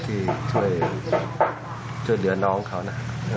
ที่ช่วยเดือนน้องเขานะ